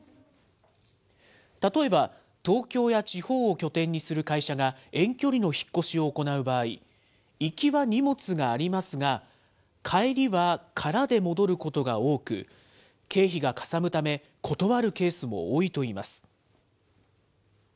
例えば、東京や地方を拠点にする会社が遠距離の引っ越しを行う場合、行きは荷物がありますが、帰りは空で戻ることが多く、経費がかさむため、断るケースも多いといいます。